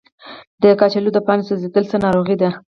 د کچالو د پاڼو سوځیدل څه ناروغي ده؟